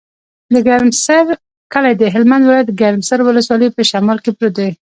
د ګرمسر کلی د هلمند ولایت، ګرمسر ولسوالي په شمال کې پروت دی.